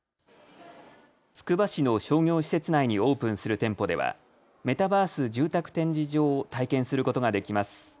つくば市の商業施設内にオープンする店舗ではメタバース住宅展示場を体験することができます。